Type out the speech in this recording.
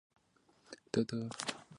章氏的门人亦尊蒋氏为师祖。